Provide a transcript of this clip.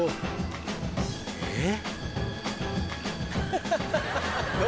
えっ？